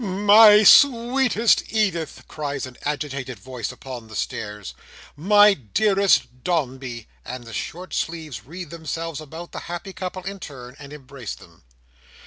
"My sweetest Edith!" cries an agitated voice upon the stairs. "My dearest Dombey!" and the short sleeves wreath themselves about the happy couple in turn, and embrace them.